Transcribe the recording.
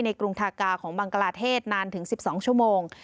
กรุงทากาของบังกลาเทศนานถึง๑๒ชั่วโมง